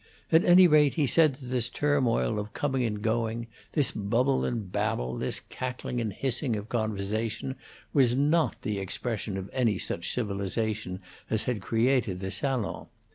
At any rate, he said that this turmoil of coming and going, this bubble and babble, this cackling and hissing of conversation was not the expression of any such civilization as had created the salon.